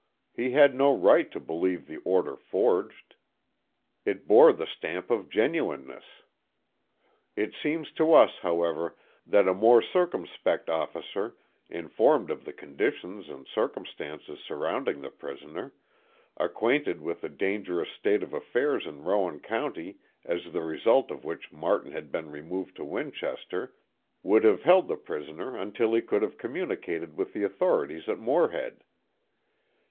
He had no right to believe the order forged. It bore the stamp of genuineness. It seems to us, however, that a more circumspect officer, informed of the conditions and circumstances surrounding the prisoner, acquainted with the dangerous state of affairs in Rowan County as the result of which Martin had been removed to Winchester, would have held the prisoner until he could have communicated with the authorities at Morehead.